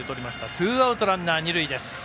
ツーアウト、ランナー、二塁です。